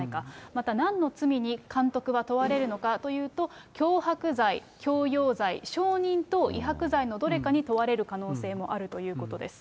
また、なんの罪に監督は問われるのかというと、脅迫罪、強要罪、証人等威迫罪のどれかに問われる可能性もあるということです。